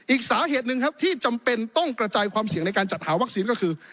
อีกสาเหตุหนึ่งครับที่จำเป็นต้องกระจายความเสี่ยงในการจัดหาวัคซีนก็คือ